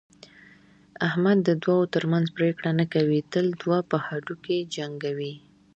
احمد د دوو ترمنځ پرېکړه نه کوي، تل دوه په هډوکي جنګوي.